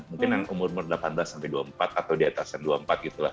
mungkin yang umur umur delapan belas sampai dua puluh empat atau di atas n dua puluh empat gitu lah